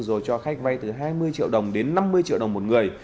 rồi cho khách vay từ hai mươi triệu đồng đến năm mươi triệu đồng một người